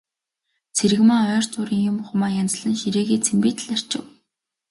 Цэрэгмаа ойр зуурын юм, хумаа янзлан ширээгээ цэмбийтэл арчив.